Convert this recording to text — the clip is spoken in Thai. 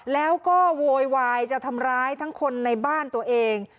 แล้วก็โวยวายจะทำร้ายทั้งคนในบ้านตัวเอง